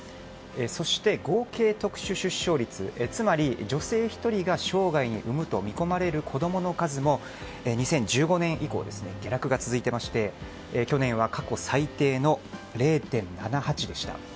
そして、合計特殊出生率つまり女性１人が生涯に産むと見込まれる子供の数も２０１５年以降下落が続いていまして去年は過去最低の０．７８でした。